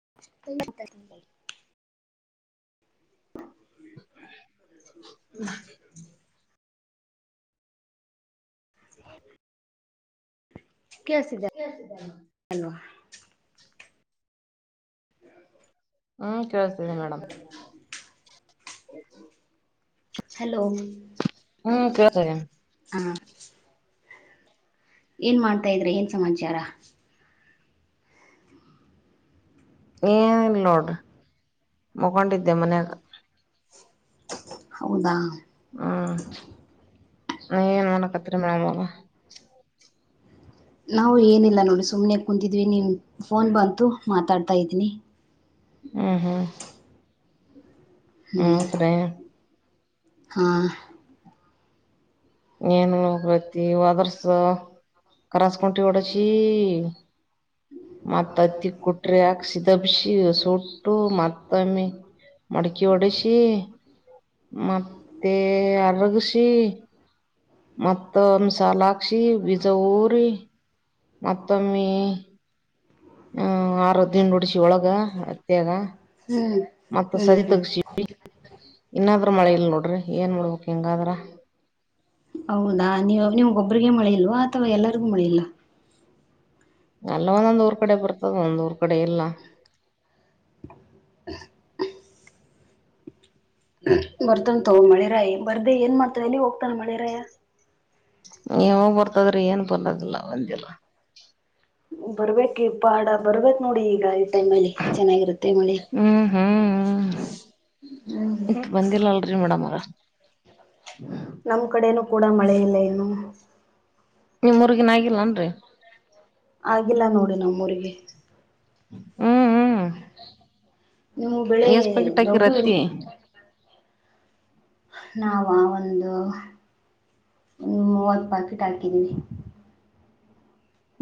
[inaudible] ತೆಮನ್ ತಾಗಿ ಬ ಹ ಕಸಿದೆ ಅಲ್ವಾ ಹ ಕೇಳ್ತದೆ ಮೇಡಮ್ ಹಲೋ ಹ್ಮ್ ಕೇಳ್ತದೆ ಹ ಏನ್ ಮಾಡ್ತಾ ಇದ್ರೆ ಏನ್ ಸಮಾಚಾರ [inaudible] ಈ ಲೋಡ್ ಮುಗೊಂಡಿದ್ದೆ ಮನ್ಯಾಗ ಹೌದಾ ಹಾ ನ ಏನ್ ಮಾಡಕತ್ರಿ ಮೇಡಮ್ ಅವ ನಾವು ಏನಿಲ್ಲ ನೋಡಿ ಸುಮ್ನೆ ಕುಂತಿದ್ವಿ ನೀನ್ ಫೋನ್ ಬಂತು ಮಾತಾಡ್ತ ಹತ್ತೈವ್ರಿ ಹ್ಮ ಹ್ಮ್ ಹ್ಮ್ ತ್ರೇ ಹಾ ಏನ್ ಒತಿ ಅದರ್ಸ ಕರಸ್ಕಂಟಿ ಹೊಡಸಿ ಮತ್ ಅತ್ತಿ ಕುಟ್ರಿ ಹಾಕ್ ಸಿದಬ್ಸಿ ಸೂಟ್ಟು ಮತ್ ಮತ್ತಮ್ಮಿ ಮಡಕಿ ಓಡಸಿ ಮತ್ತೆ ಅರಗಸಿ ಮತ್ತ ಹಂಸಾಲಾಕ್ಷಿ ಬಿಜೌರಿ ಮತ್ತೊಮ್ಮಿ ಹ ಆರು ದಿಂಡಾ ಉಡ್ಸಿ ಒಳಗ ಹತ್ಯಾಗ ಹ್ಮ್ ಮತ್ತ ಸದಿ ತೆಗ್ಸಿ ಹ್ಮ್ಮ್ ಹ್ ಇನ್ನಾದ್ರೂ ಮಳೆ ಇಲ್ ನೋಡ್ರಿ ಏನ್ ಮಾಡಡ್ಬೇಕ್ ಹಿಂಗಾದ್ರ ಹೌದಾ ನಾ ನೀವು ನಿಮ್ಗೊಬರೀಗ ಮಳಿ ಇಲ್ವಾ ಅಥವಾ ಎಲ್ಲರಿಗೂ ಮಳಿಲ್ಲ ಅಲ್ಲ ಒಂದೊಂದ್ ಊರ್ ಕಡೆ ಬರ್ತದ ಒಂದ್ ಊರ್ ಕಡೆ ಇಲ್ಲ [inaudible] ಬರ್ತನ್ ತಗೋ ಮಳೆರಾಯ ಬರ್ದೆ ಏನ್ ಮಾಡ್ತಾನ ಎಲ್ಲಿಗ ಹೋಗ ಪ ಮಳೆರಾಯ ಹ್ಮ್ ಬರ್ತದ್ರಿ ಏನ್ ಬಂದಗಿಲ್ಲ ಬಂದಿಲ್ಲ ಬರ್ಬೇಕಿ ಫಾಡ ಬರ್ಬೇಕ ನೋಡ ಈಗ ಗಾಳಿ ಟೈಮಲ್ಲಿ ಚೆನ್ನಾಗಿರುತ್ತೆ ಮಳಿ ಹ್ಮ್ ಹ್ಮ್ ಹ್ಮ್ ಹ್ಮ್ ಬಂದಿಲ್ಲ ಅಲ್ರಿ ಮೇಡಮ್ ಅವ್ರ ನಮ್ ಕಡೆನೂ ಕೂಡ ಮಳೆ ಇಲ್ಲ ಏನು. ನಿಮ್ ಉರ್ಗಿನ್ಯಾ ಆಗಿಲ್ಲ ಏನ್ರೀ. ಏ ಹ್ಮ್ ಹ್ಮ್ ನಿಮ್ಮು ಬೆಳೆ ಎಷ್ಟ್ ಪ್ಯಾಕೆಟ್ ಹಾಕಿರ್ ದೊಡ್ಡು ಹತ್ತಿ ನಾವಾ ಒಂದ ಹ್ಮ್ ಮೂವತ್ತ್ ಪಾಕೆಟ್ ಹಾ ಹಾಕಿದೀವಿ.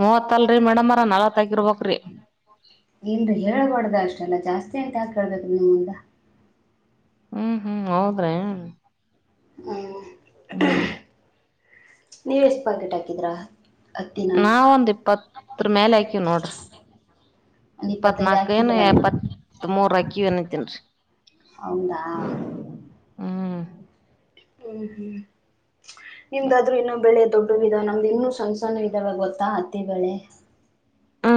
ಮೂವತ್ತ ಅಲ್ರೀ ಮೇಡಮ್ ಅರಾ ನಾಲ್ವತ್ತ್ ಹಾಕಿರ್ಬೆಕ್ರಿ. ಅಲ್ಲ ಜಾಸ್ತಿ ಐತ ಯಾಕ ಹೆಳ್ಬೇಕ ನಿಮಿಂದ. ಹ್ಮ್ ಹ್ಮ್ ಹೌದ್ರೆ. ಹ್ಮ್ ಹ್ಮ್ ನೀವ್ ಎಷ್ಟ್ ಪಾಕೆಟ್ ಹಾಕಿದ್ರ ಹತ್ತಿನ ನಾವ ಒಂದ್ ಇಪ್ಪತ್ತರ ಮ್ಯಾಲ ಹಾಕಿವ ನೋಡ್ರಿ ಒಂದ್ ಇಪ್ಪತ್ತೈದು ಇಪ್ಪತ್ನಾಕ ಏನ ಹಾಕಿದ್ರಲ್ಲ ಇಪ್ಪತ್ ಮೂರ್ ಹಾಕಿವ ಏನತ್ತಿನರಿ. ಹೌದಾ ಹ್ಮ್ ಹ್ಮ್ಮ್ ಹ್ಮ್ಮ್ ನಿಮ್ದಾದಾದ್ರು ಇನ್ನ ಬೆಳೆ ದೊಡ್ಡ ನಮ್ದ ನಿಧಾನ ನಮ್ದ ಇನ್ನು ಸಣ್ಣ ಸಣ್ಣ ಇದ್ದಾವೆ ಗೊತ್ತಾ ಹತ್ತಿ ಬೆಳೆ.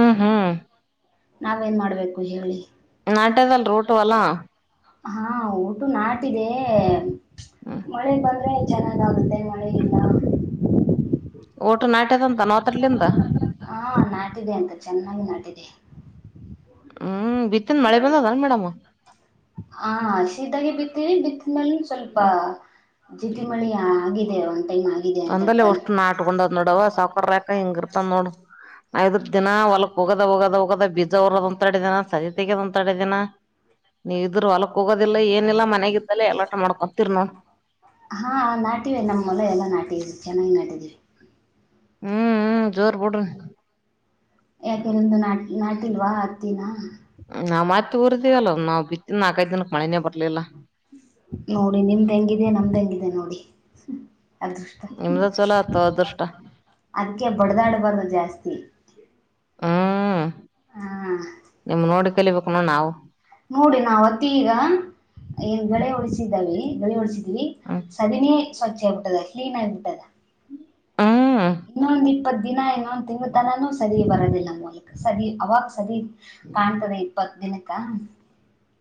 ಹ್ಮ ಹ್ಮ ಹ್ಮ್ ನಾವೇನ್ ಮಾಡ್ಬೇಕು ಹೇಳಿ. ನಾಟ್ಯದಲ್ ರೂಟ್ ಹೊಲಾ. ಹಾ ದು ನಾಟಿದೆ. ಮಳಿ ಬಂದ್ರೆ ಚೆನ್ನಾಗ ಆಗುತ್ತೆ. ಮಳೆ ಇಲ್ಲ ಒಟ್ಟು ನಾಟ್ಯದಂತ ನವತ್ರಲಿಂದ ಹಾ ನಾಟಿದೆ ಅಂತ ಚೆನ್ನಾಗಿ ನಾಟಿದೆ. ಹ್ಮ್ ಬಿತ್ತಿನ ಮಳೆ ಬಂದದ ಮೇಡಮ್ ಹ ಹಸಿ ಇದ್ದಾಗೆ ಬಿತ್ತೀವಿ ಬಿತ್ ಮೇಲ್ನು ಸ್ವಲ್ಪ ಹ್ಮ್ ಜಿಟಿಮಳಿ ಆಗಿ ನಿವಂತ್. ಅಂದಲ್ಲೆ ಒಷ್ಟು ನಾಟಕೊಂಡದ್ ನೋಡವ ಸಾವಕಾರ ಲೆಕ್ಕ ಹಿಂಗ ಇರ್ತನ್ ನೋಡು. ಐದರ್ ದಿನ ಹೊಲಕ್ ಹೋಗದ ಹೋಗದ ಹೋಗದ ಬೀಜ ಊರದ ಒಂದ ತ್ಯಾಡೆ ದಿನ ಸ ಜೊತೆಗೆ ಒಂದ್ ತ್ಯಾಡೆ ದಿನಾ. ನೀವ ಇದ್ದುರ್ ಹೊಲಕ್ ಹೋಗೋದಿಲ್ಲ ಏನಿಲ್ಲ ಮನೆಗಿದ್ದಲ ಎಲಾಟ ಮಾಡ್ಕೊತಿರ್ ನೋಡ್ - ಹಾ ನಾಟಿವೆ ನಮ್ಮ ಹೊಲ ಎಲ್ಲ ನಾಟಿದೀವಿ ಚೆನ್ನಾಗಿ ನಾಟಿದೀವಿ. ಹ್ಮ್ ಹ್ಮ್ ಜೋರ್ ಬಿಡ್ರಿ ಯಾಕೆ ನಿಮ್ದು ನಾ ನಾಟಿಲ್ವಾ ಹತ್ತಿನ ನಾವ್ ಮತ್ ಊರ್ದೀವಲ್ಲ ನಾವ್ ಬಿತ್ತಿನ ನಾಲ್ಕೈದ್ ದಿನಕ್ ಮಳೆನೇ ಬರ್ಲಿಲ್ಲ ನೋಡಿ ನಿಮ್ದ್ ಹೆಂಗಿದ ನಮ್ದ್ ಹೆಂಗಿದೇನೆ ನೋಡಿ ಹ್ಮ ಅದೃಷ್ಟ ನಿಮ್ದ ಚಲೋ ಆತ ಅದೃಷ್ಟ ಅದಕ್ಕೆ ಬಡದಾಡ್ ಬಾರದು ಜಾಸ್ತಿ ಹ್ಮ್ ಹಾ ನಿಮ್ ನೋಡಿ ಕಲಿಬೇಕು ನೋಡ್ ನಾವು ನೋಡಿ ನಾವವು ಹತ್ತಿ ಈಗ ಏನ್ ಗಳೆ ಉಳಿಸಿದೇವಿ ಗಳೆ ಒಡೆಸಿವಿ ಹ್ಮ್ ಸದಿನೇ ಸ್ವಚ್ಛ ಆಗ್ಬಿಟ್ಟದ ಕ್ಲೀನ್ ಆಗಿ ಹ್ಮ್ ಇನ್ನೊಂದ್ ಇಪ್ಪತ್ ದಿನ ಇನ್ನೊಂದ ತಿಂಗ ತನಾನೂ ಸದ ಬರೋದಿಲ್ಲ ಮೂಲಕ ಸದ ಅವಾಗ ಸದ ಕಾಣ್ತದೆ ಇಪ್ಪತ್ ದಿನಕ್ಕ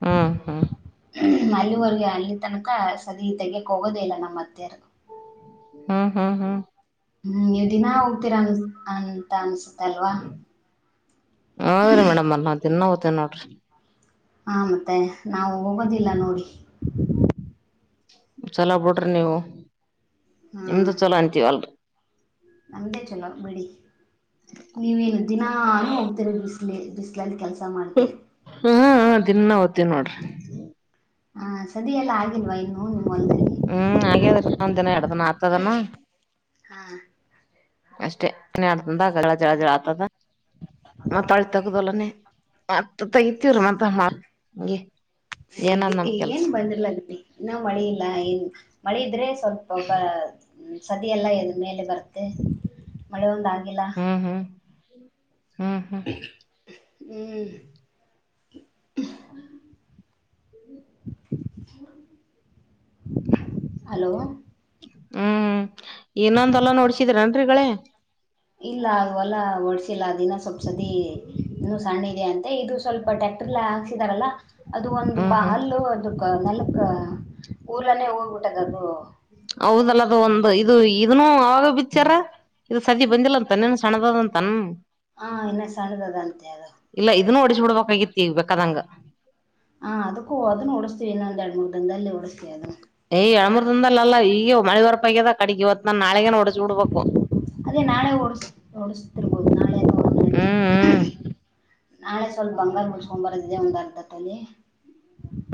ಹ್ಮ್ ಹ್ಮ್ ಅಲ್ಲಿವರ್ಗೆ ಅಲ್ಲಿ ತನಕ ಸದಿ ತೆಗೆಗಕ್ ಹೋಗೋದೆ ಇಲ್ಲ ನಮ್ಮಅತ್ತೆರ್ ಹ್ಮ್ ಹ್ಮ್ ಹ್ಮ್ ಹ್ಮ್ ದಿನಾ ಹೋಗ್ತೀರಾ ಅನ್ ಅಂತ ಅನ್ಸುತ್ತ ಅಲ್ವಾ ಹೌದ್ರೀ ಮೇಡಮ್ ಅರ್ಮ ತಿನ್ನೋಗತೇ ನೋಡ್ರಿ ಹಾ ಮತ್ತೆ ನಾವು ಹೋಗೋದಿಲ್ಲ ನೋಡಿ [inaudible] ಚಲ ಬಿಡ್ರಿ ನೀವು ಹಾ ನಿಮ್ದು ಚಲೋ ಅಂತೀವಿ ಅಲ್ರಿ ನಮ್ದೇ ಚೊಲೋ ಬಿಡಿ ನೀವೇನು ದಿನಾನು ಹೋಗ್ತಿರಿ ಬಿ ಬಿಸಲಲ್ಲಿ ಕೆಲ್ಸ ಮಾಡ್ತೀರಿ ಹಾ ದನ್ನಾ ಓತೀವಿ ನೋಡ್ರಿ ಹಾ ಸದಿ ಎಲ್ಲ ಆಗಿಲ್ವಾ ಇನ್ನು ಒ ಹ್ಮ್ ಹಾಗ್ಯದ್ರಿಲ್ಲ ಒಂದ್ ದಿನ ಎಡ್ದಿನ ಆತದನ ಹಾ ಅಷ್ಟೇ ಮನ ಆಡ್ತಂದ ಗಲ್ಲ ಜಳ ಜಳ ಆಗ್ತದ ಮತಾಳಿ ತಗದಲ್ಲನೆ ಮತ್ತ ತಗತಿವ್ರೀ ಮ ಹಗೆ ಏನಂದ ನಮ ಕೆಲ್ಸ ಇ ಮಳಿ ಇಲ್ಲ ಏನ್ ಮಳೆ ಇದ್ರೆ ಸ್ವಲ್ಪ ಒಬ್ಬ ಸದಿ ಎಲ್ಲಾ ಎದು ಮೇಲೆ ಬರತ್ತೆ ಮಳೆ ಒಂದ ಆಾಗಿಲ್ಲಾ ಹ್ಮ್ ಹ್ಮ್ ಹ್ಮ್ ಹ್ಮ್ [inaudible] ಹ್ಮ್ ಹ್ಮ [inaudible] ಹಲೋ ಹ್ಮ್ ಇನ್ನೊಂದು ಎಲ್ಲ ನೋಡ್ಸಿದೀರನ್ೀಗಳೇ [inaudible] ಇಲ್ಲ ಆಗವಲ್ಲ ವರ್ಸ [inaudible] ಚಲಾ ದಿನ ಸ [unintelligible] ಸದಿ ಇ ಸಣ್ಣ ಇದೆಯಂತೆ ಇದು ಟ್ಯಾಕ್ಟರ್ ಹಾಕ್ಸಿದಾರಲ್ಲ ಅದು ಒಂದು ಹ್ಮ್ ಬ ಹ್ಮ್ ಹಲ್ಲು ಅದ ನೆಲ್ಕ್ ಹೌದಲ್ಲ ಅದು ಒಂದು ಇದು ಇದನ್ನು ಅವಾಗ ಪಿಕ್ಚರ್ ಇದು ಸದ ಬಂದಿಲ್ಲಂತ ತನ್ನನ ಸಣ್ಣದಾದ ತನ್ ಹಾ ಇನ್ನ ಸಣ್ಣದದಂತೆ ಅದು ಇಲ್ಲ ಇದನ್ನು ಒಡಸ್ಬಿಡ್ಬೇಕಾಗಿತಿ ಬೇಕಾದಂಗ ಎರಡು ಮೂರು ದಂದದಲ್ಲಿ ಓಡುಸ್ತೀನಿ ಅದು ಏ್ ಯಳಮುರ್ದಿಂದಲ್ಲಲ್ಲಾ ಈಗ ಮಳೆ ಬರಪಗ್ಯದ ಕಡಗ್ ಇವತ್ ನಾ ನಾಳಗೇನ ಹೊಡಿಸ್ ಬಿಡ್ಬೇಕು ಅದೇ ನಾೆ ಓ ಓಡ [inaudible] ಒನಾಳ [inaudible] ಹು ಹ್ಮ್ ಹ್ಮ್ ನಾಳೆ ಸ್ವಲ್ಪ ಬಂಗಾರ ಬೀಡ್ಸ್ಕೊಂಡ್ ಬರದಿದೆ ಒಂದ ಕತಲ್ಲಿ [inaudible]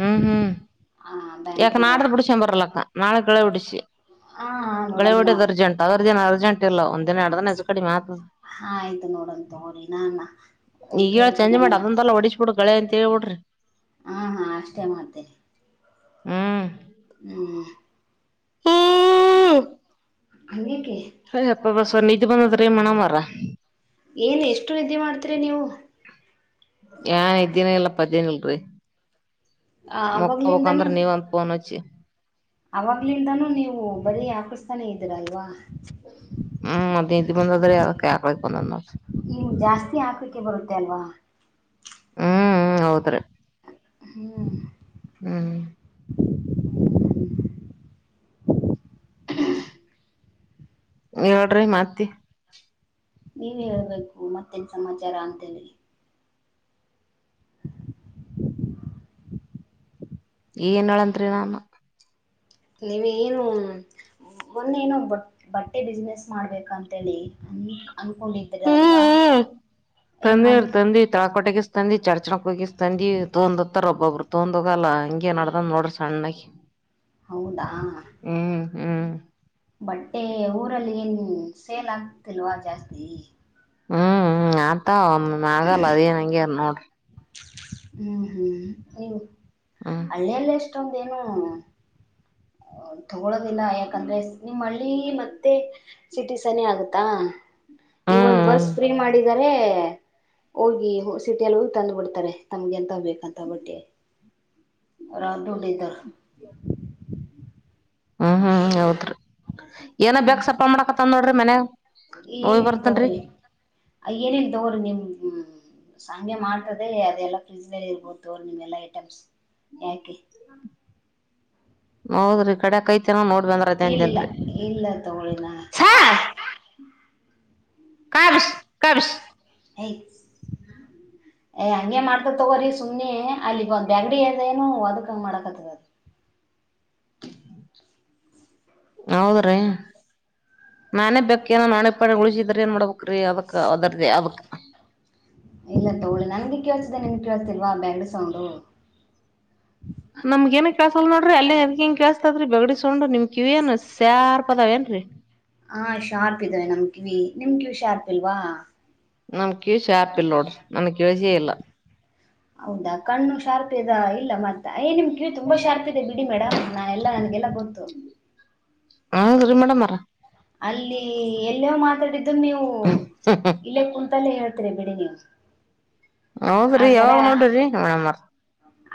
ಹ್ಮ್ ಹ್ಮ್ ಯಾಕ ನಾಡ್ದ ಹೋಗ್ ಬಿಡಸ ಬರಲ್ಲಕ್ಕ ನಾಳೆ ಗಳಹೊಡ್ಸಿ ಹಾ ಗಳೆ ನೋಡಮ್ ಹೊಡದ್ ನಾವ್ ಅರ್ಜೆಂಟ್ ಅದರದೆನು ಅರ್ಜೆಂಟ್ ಇಲ್ಲ ಒಂದ ಎರಡೇನ ಹೆಚ್ಚು ಕಡ್ಮಿಗುತ್ತೆ ಹಾ ಆಯ್ತು ನೋಡಣ ತಗೋರಿ ನಾನ ಈಗ ಹೇಳ ಚೇಂಜ್ ಕೇಳ್ತೀನಿ ಮಾಡಿ ಅದೊಂದಲ್ಲ ನಮ ಹೊಡಿಸ್ಬಿಡು ಗಳೆ ಅಂತ ಹೇಳ್ಬಿಡ್ರಿ ಹ್ಮ ಹಾ ಅಷ್ಟ ಮಷ್ಟೆ ಮಾಡತ [inaudible] ಹ್ಮ್ ಹ್ಮ್ಮ್ಮ್ಮ್ ಅೆ [inaudible] ಅಪ್ಪ ಬಸವರ್ ನಿದ್ದು ಬಂದತ್ರರ ಮಣ ಮಾಡರ ಏನ್ ಎಷ್ಟು ನಿದ್ದೆ ಮಾಡ್ತೀರಿ ನೀವು ನ್ ಇದೇನ ಇಲ್ಲಪ್ಪ ಅದೇನ ಇಲ್ರಿ ಆ ಅವಾಗ್ಲಿಂದಾನು ಮೂಕ್ಕಬೇಕಬೇಕಂದ್ರೆ ನೀವ ಅಂತ ಪೋನ್ಚ್ಚಿ ಅವಾಗ್ಲಿಂದಾನು ನೀವು ಬರೀ ಆಾಕ ತಾನೇ ಇದ್ದೀರಾ ಇಲ್ವಾ ಹ್ಮ್ ಮದತಿ ಬಂದದ್ರೀ ಯಕ್ಕೆ ಆಕ್ಳಕ್ಕೆ ಬಂದ ನ ನೀವು ಜಾಸ್ತಿ ಹಾಕಕ್ಕೆ ಬರುತ್ತೆ ಅಲ್ವಾ ಹ್ಮ್ ಹೌದ್ರಿ ಹ್ಮ್ ಹ್ಮ್ ಹೇಳ್ರಿ ಮತ್ತ ನೀವ ಹೇಳ್ಬೇಕು ಮತ್ತೆ ಮತ್ತಿನ ಸಮಾಚಾರ ಅಂತೇಳ ಹೇಳಿ ಏನ್ ಹೇಳಂರಿ ನಾನ್ ನೀವ ಏನು ಒಂದೇ ಏನ್ಬಟ್ ಬಟ್ಟೆ ಬಿಸ್ನನೆಸ್ ಮಾಡ್ಬೇಕ ಅಂತೇಳಿ ಅಂದ ಹ್ಮ್ ಏನ್ ತಂದವ್ರ ಮಾಡಿ ತಂದಿ ತಳಕಟಗಿಸಸ್ ತಂದಿ ಚಾರ್ಚನಕ್ ಹೋಗಿಸ್ ತಂದಿ ತೋಂದತ್ತತಾರ ಒಬ್ಬೊಬ್ರು ತೊಂದ ಹೋಗಲ್ಲ ಹಂಗ ನಡತ ಹ ನೋಡ ಸಣೆ ಹೌದಾ ಹ್ಮ ಹ್ಮ್ ಬಟ್ಟೆ ಊರಲ್ಲಿ ಏನ್ ಸೇಲ್ ಆಗ್ತಿಲ್ವಾ ಜಾಸ್ತಿ ನೀ ಹ್ಮ್ ಆ ಅ ಒ ಆಗಲ್ಲ ಅದ ಏನ್ ಹಂಗ್ಯಾರ ನೋ್ರಿ ಹ್ಮ್ ಹ್ಮ್ ನೀವು ಹ್ಮ್ ಹಳ್ಳಿಯಲ್ಲ ಇಷ್ಟೊಂದೇನು ತಗೊಳದಿಲ್ಲ ಯಾಕಂದ್ರೆ ನಿಮ್ಮ್ ಹಳ್ಳಿ ಮತ್ತೆ ಸಿಟಿ ಸನಿ ಆಗತ್ತಾ ಈಗ ಒಂದ್ ಬಸ್ ಹ್ಮ್ ಫ್ರೀ ಮಾಡಿದರೆ ಹೋಗಿ ಸಿಟಿಲ್ಲಿ ಹೋಗ ತಂದ್ ಬಿಡ್ತಾರೆ ತಮ್ಗೆ ಎಂತ ಬೇಕಂತ ಬಟ್ಟಿ ರದು ಉಡ ಇಧರ ಹ್ಮ್ ಹ್ಮ್ ಹೌದ್ರಿ ಏನ ಬೇಕ್ ಸಪ್ಪ ಮಾಡಕತ್ತನ್ ನೋಡ್ರಿ ಮನ್ಯಾಗ ಹೋಗಿ ಏನಲ್ಲಿ ಬರ್ತನ್ರಿ ತಗ್ರಿ ಅ ಏನಲ್ ತಗೋ್ರಿ ನಿಮ್ ಸಂಜೆ ಮಾಡ್ತದೆ ಅದೆಲ್ಲಾ ಫ್ರಿಜ್ ಮಲ್ಲಿ ಹ ತೋರು ನಿಮ್ಮ ಎಲ್ಲ ಐಟಮ್ಸ್ ಯಾಕೆ ಹೌದ್ರಿ ಕಡ್ಯಾಕ್ ಐತೆನ ನೋಡ್ ಬಂದ್ರಐತೆ ಇಲ್ಲಿಲ್ಲ ಅಂತೇನ್ರಿ ಇಲ್ಲ ತಗಳಿನ ಸಾ ಕವಿಸ ಕವಿಸ ಹ ಏ ಹಂಗಗೆ ಮಾಡ್ತ ತಗೋ್ರಿ ಸುಮನೆ ಅಲ್ಲಿಗ ಒಂದ್ ಬಗಡಿ ಅದಏನು ಒದಕ್ ಹ ಮಡಕದ ಹೌದ್ರೀ ನಾನೇ ಬೇಕೇಏನೋ ನಾನೆ ಪಣ ಉಳಿಸಿದ್ರಿ ಏನ್ ಮಾಡ್ಬೇಕಕ್ಅದಕ್ಕ ಅದರ ಅದಕ್ಕ ಬ್ಯಾಂಡ ಸೌಂಡು ನಮ್ಗ ಏನ ಕೆೇಸಲ್ ನೋಡ್ರಿ ಅಲ್ಲಿ ಎದಗಿಂಗ ಕೆೇಸತದಿ ಬಗಡಿಸಕೊಂಡು ನಿಮ್ ಕ ಇವ್ನ್ ಸ್ಯಾರ್ ಪದಾವ ಏನ್ರೀ ನಿಮ್ಗೆ ಹುಷಾರರ್ತಿಲ್ವಾ ನಮಕ್ ಶಾಪ್ ಇಲ್ಲೋಡ ನಮಗೆ ಯೋಷ ಇಲ್ಲ ಹೌದಾ ಕಣ್ಣು ಶಾರ್ಪ್ ಇದೆ ಇಲ್ಲ ಮತ್ತ ಏ ನಿಮ್ ಕೀವ ತುಂಬಾ ಶಾರ್ಪ್ ಇದೆ ಬಿಡಿ ಮೇಡಮ್ ನಾ ಎಲ್ಲಾ ನನ್ಗೆಲ್ಲಾ ಗೊತ್ತು ಹಾ ಸರಿ ಮೇಡಮ್ರ ಅಲ್ಲಿ ಎಲ್ಲೋ ಮಾತಾಡಿದ್ದು ನೀವು ಇಲ್ಲೇ ಕುಲ್ತಲ್ಲೇ ಹೇಳ್ ಬಿಡಿ ನೀು ಹೌದ್ರಿ ಆತರ ಯಾವಾಗ ನೋಡ್ರಿ ಮೇಡಮರ್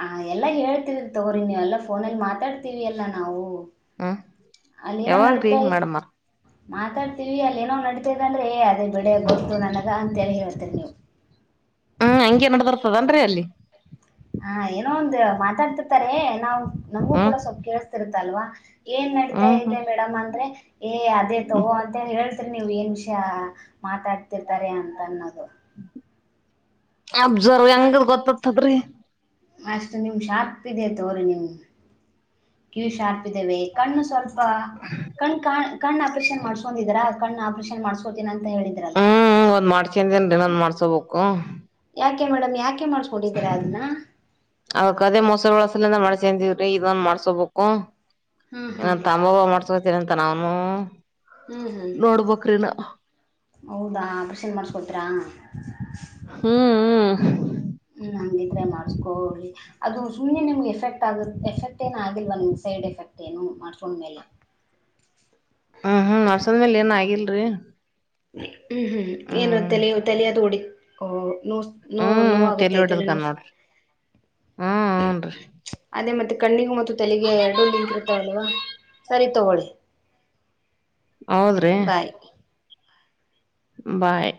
ಆ ಎಲ್ಲಾ ಹೇಳ್ತಿದಿ ತೋರ ನೀ ಎಲ್ಲ ಫೋನಲ್ಲಿ ಮಾತ್ರ ಮಾತಾಡ್ತೀವಿ ಎಲ್ಲಾ ನಾವು ಹ್ಮ್ ಅಲ್ಲಿ ಏನಂಗ ಯಾವಾಗ್ರೀ ನಡೀತಾಯ ಮೇಡಮರ್ ಮಾತಾಡ್ತಿವಿ ಅಲ್ಲಿ ನೋ ನಡತೇದಂದ್ರೆ ಏ ಅದೇ ಬಿಡ ಗೊತ್ತು ನನಗ ಅಂತೇಳಿ ಹೇಳ್ತೇರಿ ನೀವು ಹ್ಮ್ ಹಂಗೆ ನಡ್ದರ್ತದನ್ರಿ ಅಲ್ಲಿ ಹ ಏನೋ ಒಂದು ಮಾತಾಡ್ತಿರ್ತಾರೆ ನಾವ್ ನಮಗೂ ಹ್ಮ್ ಕೂಡ ಸ್ವಲ್ಪ ಕೇಳ್ ಇತ್ತಲ್ವಾ ಏನ್ ನಡತಾ ಹ್ಮ್ ಇೆ ಹ್ಮ್ ಮೇಡಮ್ ಅಂದ್ರೆ ಏ ಅದೇ ತಗೋ ಅಂತ ಹೇಳ ನೀವ್ ಏನ್ಷಾ ಮಾತಾಡ್ತಿರ್ತಾರೆ ಅಂತ ಅನ್ನೋದು ಅಬ್ಸರ್ವ ಅಂಗಲ್ ಗೊತ್ತತ್ತದ್ರಿ. ಅಷ್ಟು ನಿಮ್ ಶಾಪ್ ಇದೆ ತೋರಿ ನಿಮ್ ಕ್ಯೂ ಶಾರ್ಪ್ ಇದ್ದೇವವೆ ಕಣ್ಣು ಸ್ವಲ್ಪ ಕಣ ಕ ಕಣ್ಣು ಆಪರೇಷನ್ ಮಾಡ್ಸ್ಕೊಂಡಿದರಾ ಕಣ್ಣು ಆಪರೇಷನ್ ಮಾಡ್ಸ್ಕೋತನ ಅಂತ ಹೇಳಿದ್ರಲ್ಲ. ಸವುಕ ಯಾಕೆ ಮೇಡಮ್ ಯಾಕೆ ಮಾಡ್ಸ್ ಕುಡಿದ್ರಾ ಅದನ್ನ. ಅವಕ್ಕ ಅದೇ ಮೋಸರು ಒಳಸಲಿಂದ ಮಾಡ್ಸ ಅಂತಿದ್ರರಿ ಇದೊಂದ್ ಮಾಡ್ಸ್ ಸವ ಬೊಕು ಹ್ಮ್ ನಾ ಹ್ಮ್ ತಂಬಬ ಮಾಡಸ್ಕತೀನ ಅಂತ ನಾವು ಹ್ಮುಊ ಹ್ಮ್ ಹ್ಮ್ ಹೌದಾ ಆಪ್ರೇಷನ್ ಮಾಡಸ್ಕೊತಿರಾ ಹ್ಮ್ ಹ್ಮ್. ರೆ ಮಾಡಿಸ್ಕೊಳ್ಳಿ. ಅದು ಸುಮನೆ ನಿಮ್ಗೆ ಎಫೆಕ್ಟ್ ಆಗುತ್ತೆ ಎಫೆಕ್ಟ್ ಏನು ಆಗಿಲ್ವಾ ನಮಗೆ ಸೈಡ್ ಎಫೆಕ್ಟ್ ಏನು ಮಾಡ್ಕೊಂಡ್ಮೇಲೆ. ಹ್ಮ್ ಹ್ಮ್ ನರ್ಸದ ಮೇಲೆ ಏನ್ ಆಗಿಲ್ರರಿ. ಹ್ಮ್ ಹ್ಮ್ ಏನು ತಲ ತಲಿಯದು ಓಡಿ ಹೋ ನೋ ನೋ ಹ್ಮ್ ಹ್ಮ್ ತಲಿ ನೋಗುತ್ತೆ ತಲೆ ಹೊಡದಕ ನೋ ನೋಡ್ರಿ ಹ್ಮ್ ಹನ್ರಿ ಅದೇ ಮತ್ತೆ ಕಣ್ಣಿಗ ಮತ್ತು ತೆಲಗೆ ಎರಡು ಲಿಂಕ್ ಇರ್ತಾವಲ್ವಾ ಸರಿ ತಗೊಳ್ಳಿ. ಹೌದ್ರಿ. ಬಾಯ್ ಬಾಯ್.